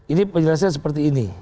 ini penjelasan seperti ini